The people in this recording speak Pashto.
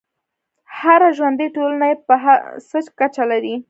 هره ژوندی ټولنه یې په څه کچه لري.